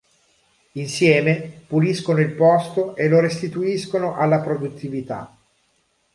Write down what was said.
Insieme, puliscono il posto e lo restituiscono alla produttività.